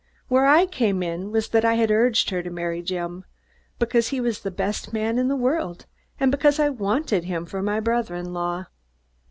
Where I came in was that I had urged her to marry Jim because he was the best man in the world and because I wanted him for my brother in law.